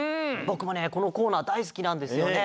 ぼくもねこのコーナーだいすきなんですよね。